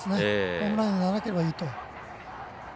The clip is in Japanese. ホームランにならなければいいと。